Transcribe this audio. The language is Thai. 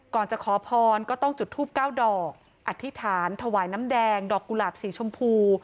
ก่อนจะขอพรก็ต้องจุดทูปเก้าดอกอธิษฐานถวายน้ำแดงดอกกุหลาบสีชมพู